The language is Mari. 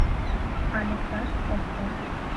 А, лекташ от тошт!..